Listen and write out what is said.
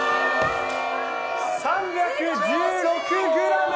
３１６ｇ！